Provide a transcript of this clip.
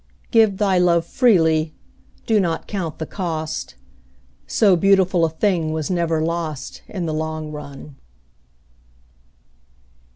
Give thy love freely; do not count the cost; So beautiful a thing was never lost In the long run.